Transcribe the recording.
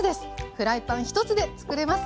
フライパン１つでつくれます。